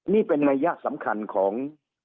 นี่เป็นนัยยะสำคัญของ